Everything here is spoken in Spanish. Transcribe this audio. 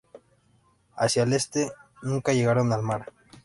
Hacia el este, nunca llegaron al mar.